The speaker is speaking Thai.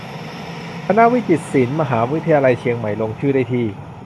คณะวิจิตรศิลป์ มหาวิทยาลัยเชียงใหม่ ลงชื่อได้ที่